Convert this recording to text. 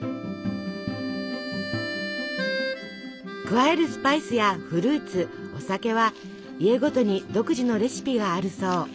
加えるスパイスやフルーツお酒は家ごとに独自のレシピがあるそう。